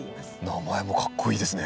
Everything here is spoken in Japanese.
名前もかっこいいですね。